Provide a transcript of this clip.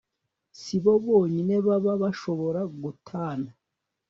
si bo bonyine baba bashobora gutana